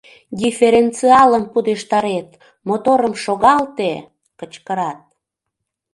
Дифференциалым пудештарет, моторым шогалте! — кычкырат.